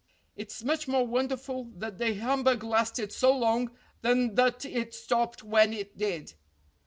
It's much more wonderful that the humbug lasted so long than that it stopped when it did."